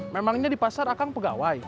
memangnya di pasar akang pegawai